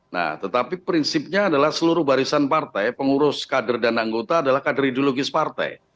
nah tetapi prinsipnya adalah seluruh barisan partai pengurus kader dan anggota adalah kader ideologis partai